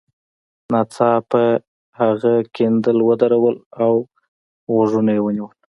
ناڅاپه هغه کیندل ودرول او غوږونه یې ونیول